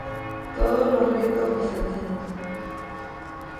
Todos del rito bizantino.